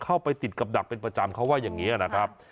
เข้าไปติดกับดักเป็นประจำเขาว่าอย่างนี้นะครับ